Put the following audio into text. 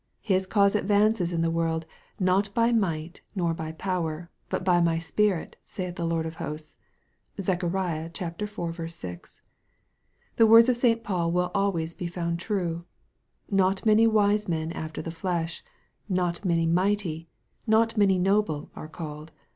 His cause advances in the world, " not by might, nor by power, but by my Spirit, saith the Lord of hosts." (Zech. iv. 6.) The words of St. Paul will always be found true :" Not many wise men after the flesh, not many mighty, not many noble are called.